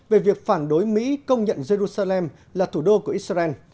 về việc phản đối mỹ công nhận jerusalem là thủ đô của israel